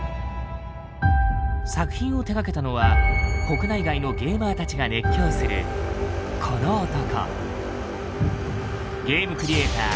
作品を手がけたのは国内外のゲーマーたちが熱狂するこの男。